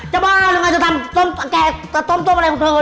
จะบ้าหรือไงจะทำต้มอะไรของเธอนะครับ